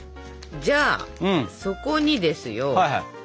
じゃあそこにですよ。